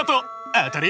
当たり！